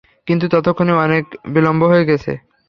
কিন্তু ততক্ষণে অনেক বিলম্ব হয়ে গেছে।